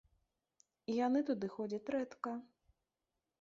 Яны туды ходзяць рэдка.